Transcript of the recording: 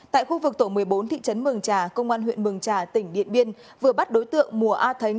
tại khu vực tổ một mươi bốn thị trấn mường trà công an huyện mường trà tỉnh điện biên vừa bắt đối tượng mùa a thánh